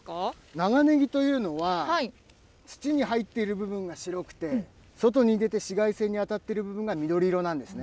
長ねぎというのは、土に入って部分が白くて外に出て紫外線に当たってる部分が緑色なんですね。